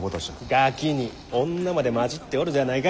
ガキに女まで交じっておるではないか！